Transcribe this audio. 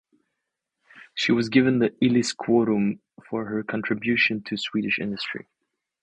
She was given the Illis quorum for her contribution to Swedish industry.